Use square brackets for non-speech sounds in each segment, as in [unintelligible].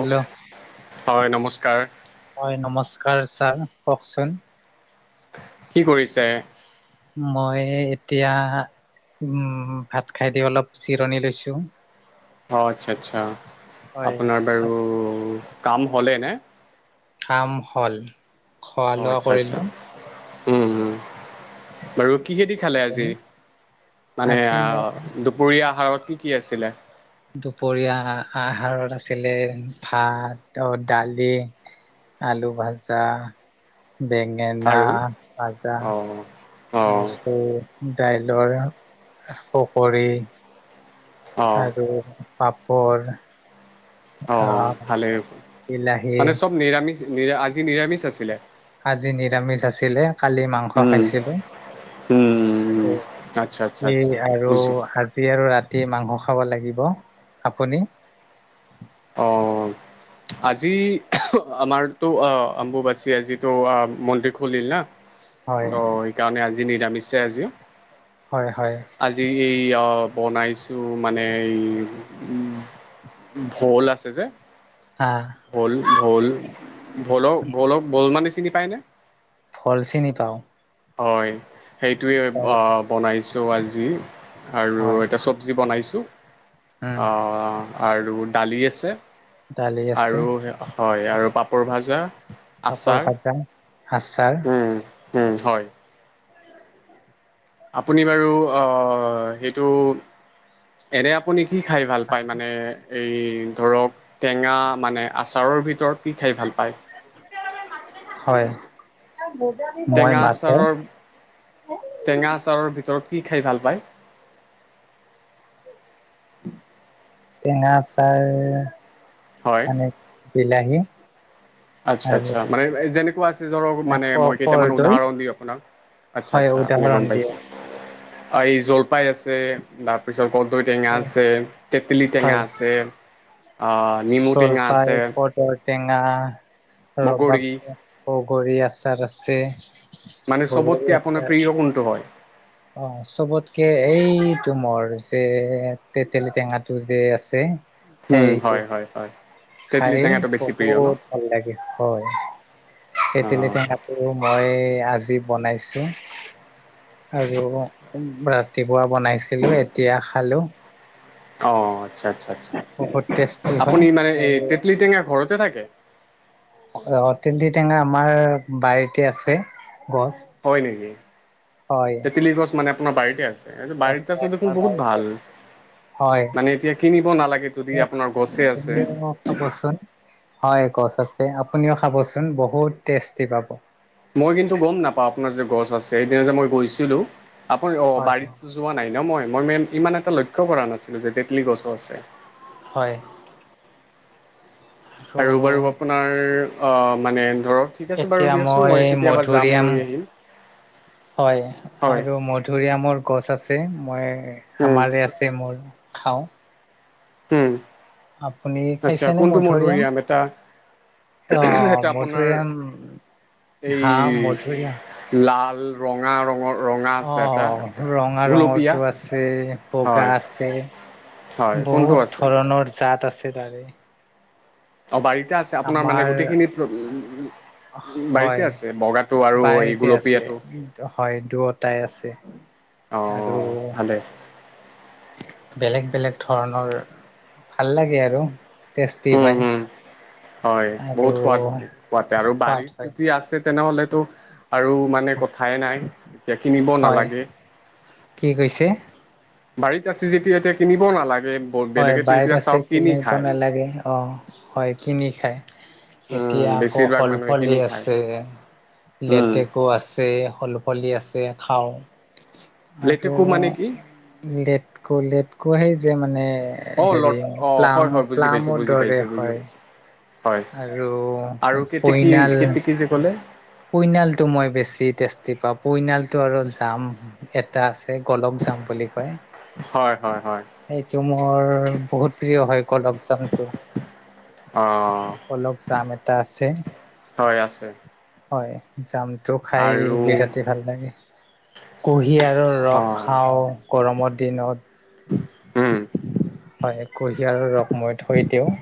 Hello হয় নমস্কাৰ হয় নমস্কাৰ। ছাৰ কওকচোন। কি কৰিছে। মই এতিয়া উম ভাত খাই দি অলপ জিৰণি লৈছো। অ আচ্ছা আচ্ছা হয় আপোনাৰ বাৰু কাম হ'লে ন। কাম হ'ল খোৱা অঁ লোৱা আচ্ছা আচ্ছা কৰিলোঁ। উম বাৰু। কি দি খালে। আজি মানে আজি মোৰ দুপৰীয়া আহাৰত কি কি আছিলে। দুপৰীয়া আহাৰত আছিলে ভাত দালি। আলু ভাজা। বেঙেনা আৰু ভাজা, অঁ অঁ মচুৰ, দাইলৰ পকৰী। অঁ আৰু পাপৰ। অ আহ ভালেই বিলাহী মানে চব নিৰামিষ নিৰা আজি নিৰামিষ আছিলে? আজি নিৰামিষ আছিলে কালি মাংস উম, খাইছিলো? উম। আৰু আচ্ছা আচ্ছা সি আচ্ছা আৰু বুজিলোঁ আজি আৰু ৰাতি মাংস খা খাব লাগিব আপুনি? অ, আজি আমাৰতো অ অম্বুবাচী আজো মন্দিৰ খুলিল না। হয় ত' সেইকাৰণে আজি নিৰামিষছে আজিও। হয় হয়। কি আউ বনাইছো মানে ভূল আছে যে হা ভোল ভোল ভোলক ভোলক ভল মানে চিনি পায়নে? ভোল চিনি পাও হয় সেইটোৱে বনাইছোঁ আজি আৰু হয় এটা চব্জি বনাইছোঁ উম আৰু অ দালি আছে। ডালি আছে। আৰু হয় আৰু পাপৰ ভাজা। পাপৰ আচাৰ ভাজা আৰু আচাৰ। উম উম হয়। আপুনি বাৰু অ সেইটো এনে আপুনি সি খাই ভাল পায় মানে এই ধৰক টেঙা মানে আচাৰৰ ভিতৰত কি খাই ভাল পায়? আহ ব- টেঙাচাৰৰ, টেঙাচাৰৰ ভিতৰত কি খাই ভাল পায়? টেঙা আচাৰ, হয় মানে বিলাহী আচ্ছা আৰু আচ্ছা মানে যেনেকুৱা আছে ধৰক মানে, মই কেইটামান কৰ্দৈ উদাহৰণ দিওঁ আপোনাক। আচ্ছা হয় আচ্ছা, আপুনি উদাহৰণ গম দিয়ে পাইছে এই জলপাই আছে, তাৰপিছত কদৈ টেঙা আছে, তেতেলী টেঙা হয় আছে, অ নিমু টেঙা জলফাই আছে, কৰ্দৈ টেঙা ৰবাব, বগৰী বগৰী আচাৰ আছে, মানে বগৰী চবতকে আপোনাৰ আচাৰ প্ৰিয় কোনটো হয়? অ চবতকে এইটো মোৰ যে, তেতেলী টেঙাটো যে আছে। উম সেইটো হয় হয় হয়। তেতেলী খাই টেঙাটো বেছি প্ৰিয় ন বহুত ভাল লাগে হয়, তেতেলী অঁ টেঙা টো, মই আজি বনাইছো। আৰু ৰাতিপুৱা বনাইছিলো এতিয়া খালো। অ আচ্ছা আচ্ছা আচ্ছা, বহুত টেষ্টি হয় আপুনি মানে এই আৰু তেতলি টেঙা ঘৰত, নেথাকে, অ ত্তেতেলি টেঙা আমাৰ বাৰীতে আছে। গছ হয় নেকি, হয় তেতেলী গছ মানে আপোনাৰ বাৰীতে আছে। গছ বাৰীতে হয় আছো আমাৰ দেখোন বহুত বাৰীতে ভাল। আছে হয় মানে এতিয়া কিনিব নালাগে, যদি আপোনাৰ গছে আছে। আপুনিও খাবচোন হয়, গছ আছে আপুনিও খাবচোন বহুত টেষ্টি পাব। মই কিন্তু গম নাপাওঁ, আপোনাৰ যে গছ আছে সেইদিনা যে মই গৈছিলো। আপুনি অ', হয় বাৰীত যোৱা নাই। [unintelligible] মই মেই ইমান এটা লক্ষ্য কৰা নাছিলোঁ যে তেতলি গছো আছে। হয়। আৰু বাৰু আপোনাৰ অ', মানে ধৰক ঠিক আছে বাৰু এতিয়া দিয়চোন মই কেতিয়াবা যাম, মধুৰিআম লৈ আহিম। হয়, হয় আৰু মধুৰিআমৰ গছ আছে মই উম, আমাৰে আছে মোৰ খাওঁ। উম, আপুনি আচ্ছা খাইছেনে কোনটো মধুৰিআম এটা অ এটা আপোনাৰ মধুৰিআম এই হা মধুৰিআম লাল এই ৰঙা, ৰঙৰ ৰঙা আছে এটা অ', এটা ৰঙা গুলপীয়া ৰঙৰটো আছে বগা হয় আছে হয় কোনটো বহুত আছে ধৰণৰ জাত আছে তাৰে অ', বাৰীতে আছে আপোনাৰ মানে আমাৰ গোটেইখিনিত উ হয় আৰু এই বাৰীতে আছে গুলপীয়াটো হয় দুয়টাই আছে অ আৰু ভালে বেলেগ, বেলেগ ধৰণৰ ভাল লাগে আৰু টেষ্টি উম হয় হম হয় আৰু বহুত সোৱাদ হয়, সোৱতে আৰু সোৱাদ বাৰীত হয় যদি আছে তেনেহ'লেতো আৰু মানে কথাই নাই এতিয়া কিনিব হয় নালাগে কি কৈছে বাৰীত আছে যেতিয়া এতিয়া কিনিব নালাগে হয় বেলেগেতো বাৰত এতিয়া আছে চাওক কিনি কিনিব খায় নালাগে অ', হয় কিনি খায় উম এতিয়া আকৌ বেছিভাগ মানুহে ফলফলি কিনি খায় আছে উম লেতেকু আছে হলফলি আছে খাও আৰু লেটেকু মানে কি লেটকু লেটকু সে যে মানে অ হেৰি লট অ হয় প্লাম হয় বুজি পাইছো প্লামৰ বুজি দৰে পাইছো বুজি হয় পাইছো হয় আৰু আৰু কেতেকী পইনাল কেতেকী যে ক'লে কুইনালটো মই বেছি টেষ্টি পাওঁ কুইনালটো আৰু জাম এটা আছে কলক যাম বুলি কয় হয় হয় হয় সেইটো মোৰ বহুত প্ৰিয় হয় কলকজামটো অ অলপ চাম এটা আছে হয় আছে হয় জামটো খাই আৰু বিৰাট ভাল লাগে কুঁহিয়াৰৰ ৰস অ খাওঁ গৰমৰ দিনত হম। হয় কঢ়িয়াৰ ৰসমই থৈ দিওঁ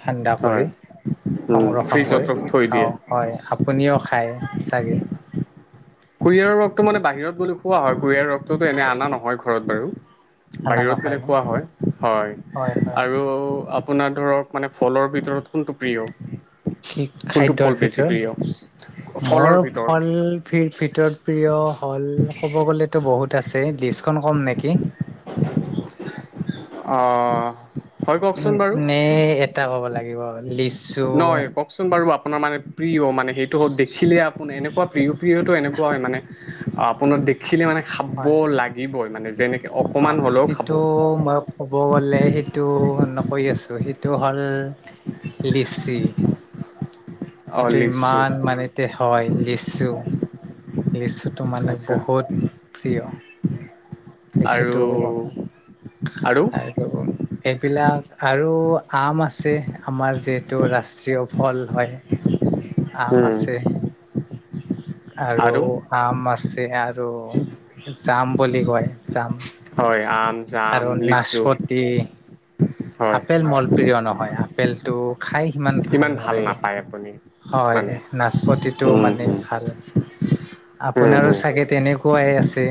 ঠাণ্ডা হয় কৰি উম সংৰক্ষণ ফ্ৰিজত কৰি থৈ দিয়ে খাওঁ হয় আপুনিও খায় ছাগে কুঁহিয়াৰ ৰসটো মানে বাহিৰত বুলি কুওোৱা হয় কুঁহিয়াৰ ৰসটোতো এনে অনা নহয় ঘৰত বাৰু খানা বাহিৰত নহয় গলে ন খোৱা হয় হয় আৰু আপোনাৰ ধৰক মানে ফলৰ ভিতৰত কোনটো প্ৰিয় কি কোনটো ফল খাদ্যৰ বেছি প্ৰিয় ভিতৰত ফলৰ মোৰ ভিতৰত ফল ভ ভিতৰত প্ৰিয় হল ক'ব গলেতো বহুত আছে কম নেকি। অ, '। নে এটা ক'ব লাগিব লিচু নহয়, কওঁকচোন বাৰু আ আপোনাৰ মানে প্ৰিয়, মানে সেইটো হওঁক দেখিলে আপুনি এনেকুৱা প্ৰিয় প্ৰিয়টো এনেকুৱা হয় মানে আপোনাক দেখিলে মানে খাব হয়, লাগিবই মানে যেনেকে অকমান হয়। হ'লেও খাব সেইটো মই ক'ব গ'লে সেইটো নকৈ আছো। সেইটো হ'ল লিচি। অ সেইটো লিচু ইমান মানেতে হয় লিচু লিচুটো মানে আচ্ছা বহুত প্ৰিয় আৰু লিচুটো আৰু এই বিলাক আৰু আম আছে। আমাৰ যিহেতু ৰাষ্ট্ৰীয় ফল হয় আম উম আছে। আৰু আম আছে, আৰু জাম বুলি কয়, জাম। হয়। আম, জাম, আৰু লিচু। নাচপতি হয় আপেল মোৰ প্ৰিয় নহয়। আপেল টো খাই ইমান ভাল নালাগে। হয় মানে নাচপতিটো উম মানে হুম ভাল উম আপোনাৰো হুম চাগে তেনেকুৱাই আছে।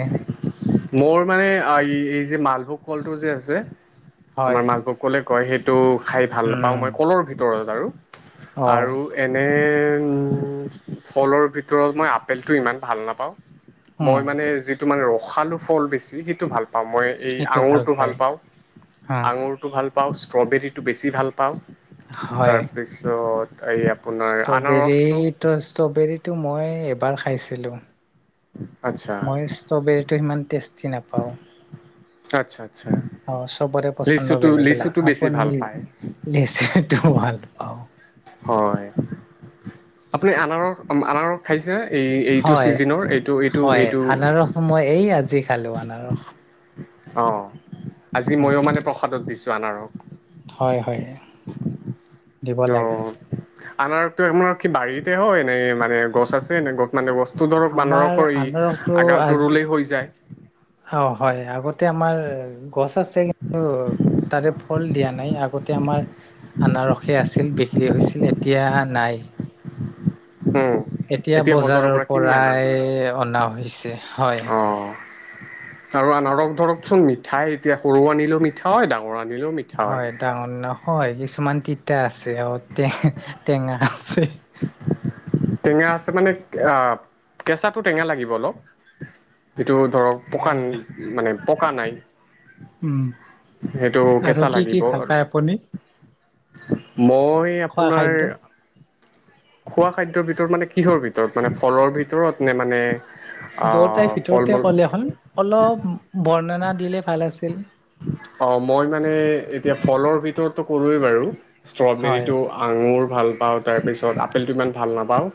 মোৰ মানে এই যে মালভোগ কলটো যে আছে। হয় আমাৰ মালভোগ কলে কয় সেইটো খাই ভাল পাওঁ উম মই কলৰ ভিতৰত আৰু। অ আৰু এনে ফলৰ ভিতৰত মই আপেলটো ইমান ভাল নাপাওঁ। উম মই মানে যি মানে ৰসালো ফল বেছি, সেইটো ভাল অ, মই এই সেইটো আঙুৰটো ভাল পায় পাওঁ অ আঙুৰটো ভাল পাওঁ ষ্ট্ৰবেৰীটো বেছি ভাল পাওঁ তাৰপিছত এই আপোনাৰ ষ্ট্ৰবেৰী আনাৰসটো ত' ষ্ট্ৰবেৰীটো মই এবাৰ খাইছিলো আচ্ছা মই ষ্ট্ৰবেৰীটো সিমান টেষ্টি নাপাওঁ। আচ্ছা আচ্ছা অ, চবৰে পচন্দ লিচুটো লিচুটো বেলেগ-বেলেগ বেছি ভাল আপুনি পায় লেচুটো ভাল পাওঁ। হয় আপুনি আনাৰস-আনাৰস খাইছে? এই-এইটো হয় ছিজিনৰ হয় এইটো-এইটো-এইটো? আনাৰস মই এই আজি খালোঁ আনাৰস। অ, আজি উম ময়ো মানে প্ৰসাদত দিছোঁ আনাৰস। হয় হয় দিব লাগে। আনাৰসটো আপোনাৰ কি বাৰীতে হয় নে মানে গছ আছে নে গত মানে গছ টো ধৰক আমাৰ আনাৰসটো [unintelligible] আগালটো আজি ৰুলেই হৈ যায়। অ, হয় আগতে আমাৰ গছ আছে কিন্তু তাৰে ফল দিয়া নাই আগতে আমাৰ আনাৰসে আছিল বিক্ৰী হৈছিল এতিয়া নাই। উম এতিয়া বজাৰৰ পৰা কিনি আনে পৰাই অনা হৈছে হয়। অ আৰু আনাৰস ধৰকচোন মিঠাই এতিয়া সৰু আনিলেও মিঠা হয় দা হয় ডাঙৰ নহয় কিছুমান তিতা আছে অ, টে-টেঙা আছে। টেঙা আছে মানে [unintelligible] কেঁচাটো টেঙা লাগিব অলপ। টো ধৰক হয় পকান হয় মানে পকা নাই। উম সেইটো আৰু কেঁচা কি কি লাগিব ভাল আৰু। পায় আপুনি মই খোৱা আপোনাৰ খাদ্য? খোৱা খাদ্যৰ ভিতৰত মানে কিহৰ ভিতৰত? মানে ফলৰ ভিতৰত নে মানে দুয়োটাই আহ ফল ভিতৰতে মূল ক'লে হ'ল। অলপ বৰ্ণনা দিলে ভাল আছিল। অ' মই মানে এতিয়া ফলৰ ভিতৰতটো কলোৱেই বাৰু। হয় ষ্ট্ৰবেৰীটো, আঙুৰ ভাল পাওঁ। তাৰপিছত আপেলটো ইমান ভাল নাপাওঁ।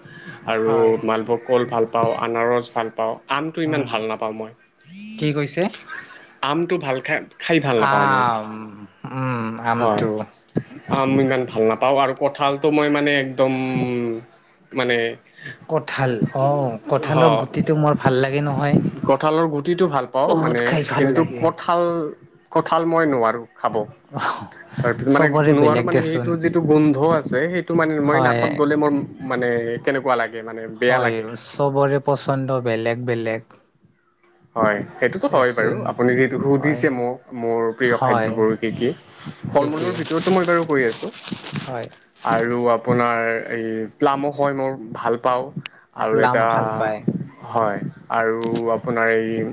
আৰু হয় মালভোগ কল ভাল পাওঁ, আনাৰস ভাল পাওঁ। আমটো ইমান উম ভাল নাপাওঁ। মই কি কৈছে? আমটো ভাল খাই খাই ভাল নাপাওঁ মই আম উম, হয় আমটো। আম ইমান ভাল নাপাওঁ আৰু কঁঠালটো মই মানে একদম মানে কঠাল, অ' কঠালৰ গুটিটো মোৰ ভাল লাগে নহয়। কঠালৰ গুটিটো ভাল পাওঁ বহুত মানে, খাই ভাল কিন্তু লাগে। কঠাল কঁঠাল মই নোৱাৰোঁ খাব। তাৰ পিছত মানে চবৰে নোৱাৰোঁ বেলেগ মানে দেচোন সেইটো যিটো গোন্ধ আছে, সেইটো মানে মই হয় নাকত গ'লে মোৰ মানে কেনেকুৱা লাগে মানে বেয়া হয়, লাগে চবৰে পচন্দ বেলেগ - বেলেগ। হয়, সেইটোতো হয় বাৰু। দেচোন আপুনি যিহেতু হয় সুধিছে মোক মোৰ প্ৰিয় হয় খাদ্যবোৰ কি - কি। কি কি ফল-মূলৰ ভিতৰততো মই বাৰু কৈ আছোঁ হয় আৰু আপোনাৰ এই প্লামো হয় মোৰ ভাল পাওঁ আৰু প্লাম এটা ভাল পায় হয় আৰু আ আপোনাৰ এই-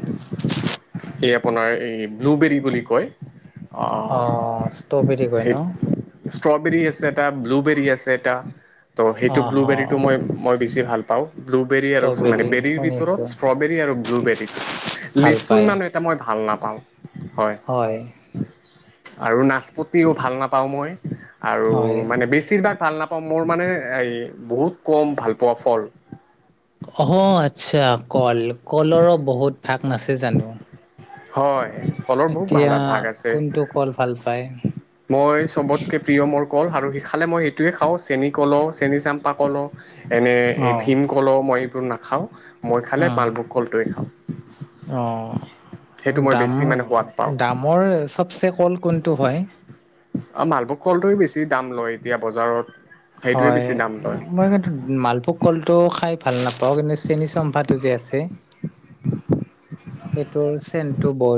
এই আপোনাৰ এই ব্লুবেৰী বুলি কয়। অ অ', ষ্ট্ৰ'বেৰী কয় সেই ন'। ষ্ট্ৰবেৰী আছে, এটা ব্লুবেৰী আছে এটা ত' অ সেইটো অ ব্লুবেৰীটো মই মই বেছি ভাল পাওঁ। ব্লুবেৰী আৰু মানে ষ্ট্ৰবেৰী বেৰীৰ শুনিছো ভিতৰত ষ্ট্ৰবেৰী আৰু ব্লুবেৰী, ভাল লিচু পায় ইমান এটা মই ভাল ভাল নাপাওঁ। হয়। আৰু নাচপতিও ভাল নাপাওঁ মই আৰু হয় মানে বেছিভাগ ভাল নাপাওঁ, মোৰ মানে এই বহুত কম ভাল পোৱা ফল। অ', কল কলৰো বহুত ভাগ নাছে জানো। হয়। ফলৰ বহুত ভাল এতিয়া ভাগ আছে, কোনটো কল ভাল পায় মই চবতকে প্ৰিয় মোৰ কল আৰু সিফালে মই সেইটোৱে খাওঁ চেনি কলো চেনি চাম্পা কলো। এনে অ এই ভীমকল মই এইবোৰ নাখাওঁ। মই অ খালে মালভোগ কলটোৱে খাওঁ। সেইটো মই বেছি মানে সোৱাদ পাওঁ দাম-দামৰ চবচে কল কোনটো হয়? অ', মালভোগ কলটোে বেছি দাম লয় এতিয়া বজাৰত। সেইটোৱে হয়, বেছি দাম লয় মই কিন্তু মালভোগ কলটো খাই ভাল নাপ অ', কিন্তু চেনী চম্পাটো যে আছে, সেইটো চেনটো বহুত